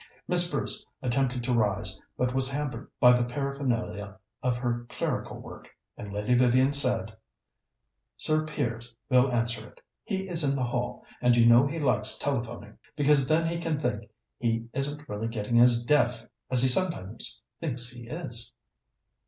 Miss Bruce attempted to rise, but was hampered by the paraphernalia of her clerical work, and Lady Vivian said: "Sir Piers will answer it. He is in the hall, and you know he likes telephoning, because then he can think he isn't really getting as deaf as he sometimes thinks he is."